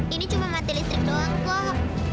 ini cuma mati listrik doang kok